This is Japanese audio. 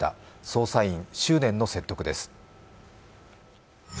捜査員、執念の説得です。